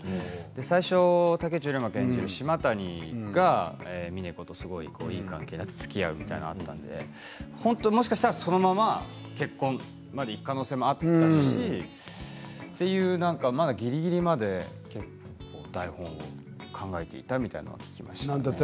最初、竹内涼真君演じる島谷がみね子とすごくいい関係になってつきあうみたいになったのでもしかしたらそのまま結婚までいく可能性もあったしぎりぎりまで結構、台本考えていたみたいなのは聞きました。